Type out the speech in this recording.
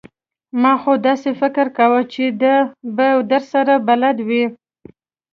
ما خو داسې فکر کاوه چې دی به درسره بلد وي!